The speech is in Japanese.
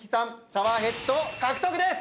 シャワーヘッド獲得です！